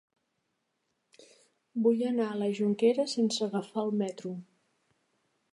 Vull anar a la Jonquera sense agafar el metro.